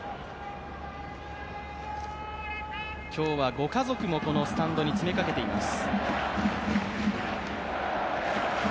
今日はご家族もこのスタンドに詰めかけています。